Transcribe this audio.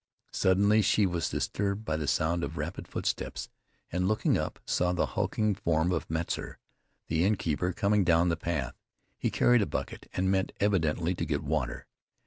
Suddenly she was disturbed by the sound of rapid footsteps, and looking up, saw the hulking form of Metzar, the innkeeper, coming down the path. He carried a bucket, and meant evidently to get water.